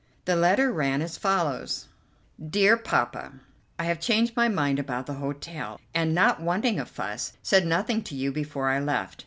The letter ran as follows: "DEAR POPPA: "I have changed my mind about the hotel, and, not wanting a fuss, said nothing to you before I left.